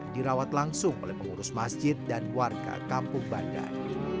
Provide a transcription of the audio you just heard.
dirawat langsung oleh pengurus masjid dan warga kampung bandar